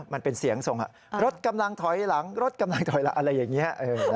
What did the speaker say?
มันเป็นเสียงทรงรถกำลังถอยหลังรถกำลังถอยหลังอะไรอย่างนี้